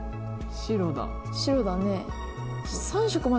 白だねえ。